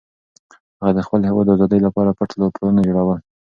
هغه د خپل هېواد د ازادۍ لپاره پټ پلانونه جوړول.